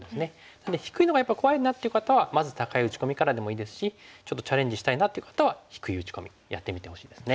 なので低いのがやっぱり怖いなっていう方はまず高い打ち込みからでもいいですしちょっとチャレンジしたいなっていう方は低い打ち込みやってみてほしいですね。